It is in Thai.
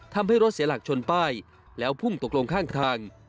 ทำให้รถเสียหลักชนป้ายแล้วพุ่งตกลงข้างทาง